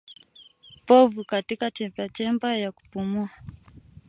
Povu katika chemba chemba ya kupumua